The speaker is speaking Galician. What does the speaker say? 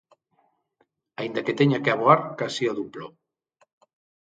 Aínda que teña que aboar case o duplo.